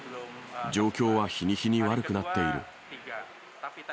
状況は日に日に悪くなっている。